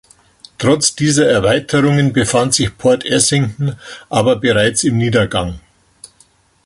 Trotz dieser Erweiterungen befand sich Port Essington aber bereits im Niedergang.